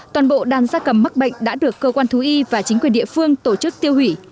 toàn bộ đàn gia cầm mắc bệnh đã được cơ quan thú y và chính quyền địa phương tổ chức tiêu hủy